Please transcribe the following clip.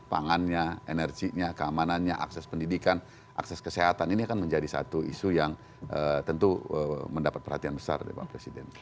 pangannya energinya keamanannya akses pendidikan akses kesehatan ini akan menjadi satu isu yang tentu mendapat perhatian besar dari pak presiden